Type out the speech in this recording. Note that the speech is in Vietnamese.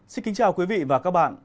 xin kính chào quý vị và các bạn